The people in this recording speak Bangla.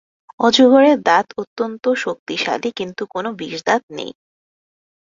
অজগরের দাঁত অত্যন্ত শক্তিশালী, কিন্তু কোনো বিষদাঁত নেই।